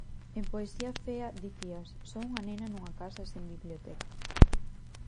En Poesía fea dicías: "Son unha nena nunha casa sen biblioteca".